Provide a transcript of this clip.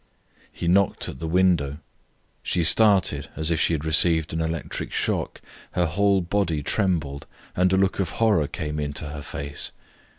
He knocked at the window. She started as if she had received an electric shock, her whole body trembled, and a look of horror came into her face.